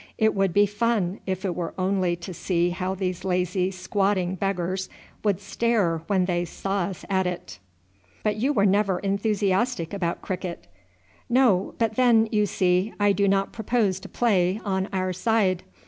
It would be fun if it were only to see how these lazy, squatting beggars would stare when they saw us at it." "But you were never enthusiastic about cricket." "No. But then, you see, I do not propose to play on our side.